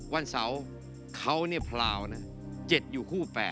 วันเสาร์เขาเนี่ยพราวนะ๗อยู่คู่๘